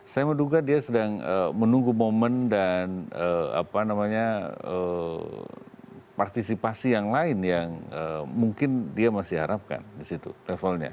saya menduga dia sedang menunggu momen dan partisipasi yang lain yang mungkin dia masih harapkan di situ levelnya